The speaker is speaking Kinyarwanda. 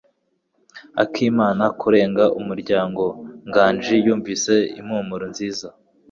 Akimara kurenga umuryango, Nganji yumvise impumuro nziza.